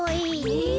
え！